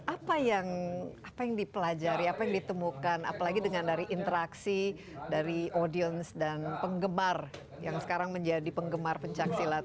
apa yang apa yang dipelajari apa yang ditemukan apalagi dengan dari interaksi dari audience dan penggemar yang sekarang menjadi penggemar pencak silat